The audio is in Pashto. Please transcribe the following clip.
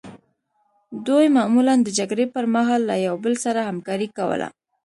دوی معمولا د جګړې پرمهال له یو بل سره همکاري کوله.